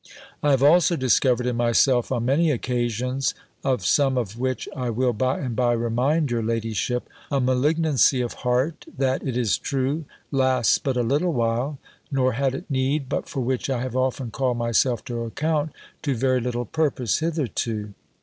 I have also discovered in myself, on many occasions (of some of which I will by and by remind your ladyship), a malignancy of heart, that, it is true, lasts but a little while nor had it need but for which I have often called myself to account to very little purpose hitherto.